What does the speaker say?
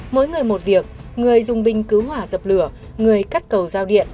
mỗi người một việc người dùng bình cứu hỏa dập lửa người cắt cầu giao điện